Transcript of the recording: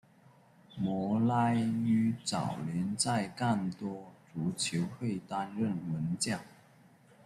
摩拉于早年在干多足球会担任门将。